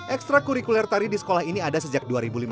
ekstra kurikuler tari di sekolah ini ada sejak dua ribu lima belas